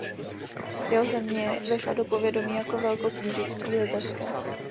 Jeho země vešla do povědomí jako Velkoknížectví litevské.